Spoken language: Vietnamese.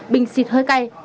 bình xịt hơi cay